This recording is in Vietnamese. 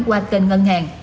qua kênh ngân hàng